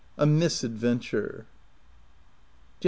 A MISADVENTURE. Jan.